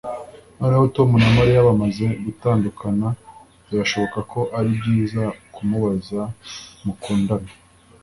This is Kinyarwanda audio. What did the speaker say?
Noneho Tom na Mariya bamaze gutandukana birashoboka ko ari byiza kumubaza mukundana